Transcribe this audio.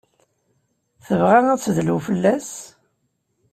Tebɣa ad tedlu fell-as?